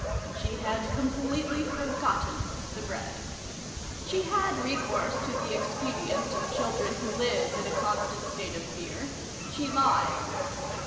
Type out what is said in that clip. She had completely forgotten the bread. She had recourse to the expedient of children who live in a constant state of fear. She lied.